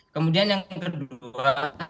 kemudian yang kedua